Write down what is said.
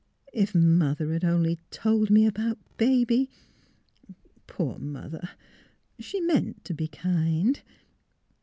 ... If mother had only told me about baby Poor mother! She meant to be kind.